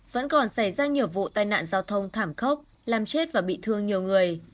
vẫn còn xảy ra nhiều vụ tai nạn giao thông thảm khốc làm chết và bị thương nhiều người